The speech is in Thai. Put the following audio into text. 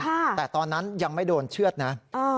ค่ะแต่ตอนนั้นยังไม่โดนเชื้อดนะอ่า